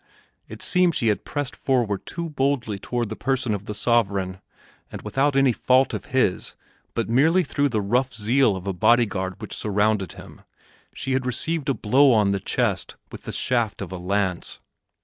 It seemed she had pressed forward too boldly toward the person of the sovereign, and without any fault of his, but merely through the rough zeal of a body guard which surrounded him, she had received a blow on the chest with the shaft of a lance.